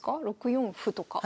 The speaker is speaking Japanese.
６四歩とか。